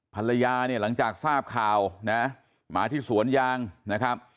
ภรรยาเนี่ยหลังจากทราบข่าวนะหมาที่สวนยางนะครับ